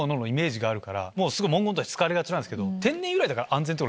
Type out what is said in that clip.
文言として使われがちなんですけど。